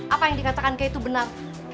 apa yang dikatakan ke itu benar